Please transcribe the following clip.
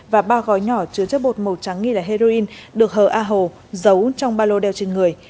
và ba gói nhỏ chứa chất bột màu trắng nghi là heroin được hờ a hồ giấu trong ba lô đeo trên người